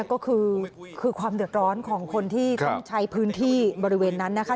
ก็คือความเดือดร้อนของคนที่ต้องใช้พื้นที่บริเวณนั้นนะคะ